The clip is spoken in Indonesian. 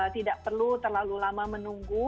tidak perlu terlalu lama menunggu